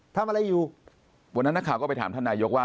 ทำอะไรอยู่วันนั้นนักข่าวก็ไปถามท่านนายกว่า